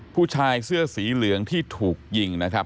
ผู้ชายเสื้อสีเหลืองที่ถูกยิงนะครับ